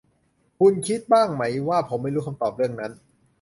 คุณคิดบ้างไหมว่าผมไม่รู้คำตอบเรื่องนั้น